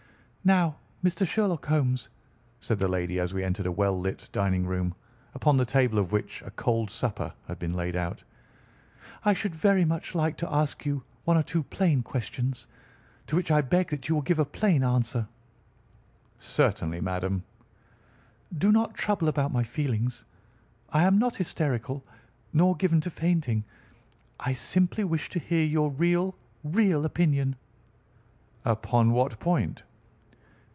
"Now, Mr. Sherlock Holmes," said the lady as we entered a well lit dining room, upon the table of which a cold supper had been laid out, "I should very much like to ask you one or two plain questions, to which I beg that you will give a plain answer." "Certainly, madam." "Do not trouble about my feelings. I am not hysterical, nor given to fainting. I simply wish to hear your real, real opinion." "Upon what point?"